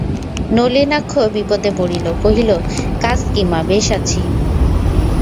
নলিনাক্ষ বিপদে পড়িল, কহিল, কাজ কী মা, বেশ আছি।